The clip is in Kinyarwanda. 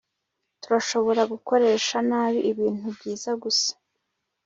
Turashobora gukoresha nabi ibintu byiza gusa